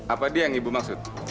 apa dia yang ibu maksud